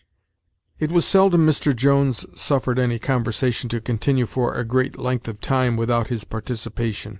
It was seldom Mr. Jones suffered any conversation to continue for a great length of time without his participation.